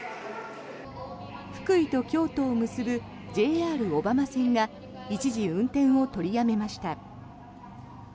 福井と京都を結ぶＪＲ小浜線が一時、運転を取りやめました。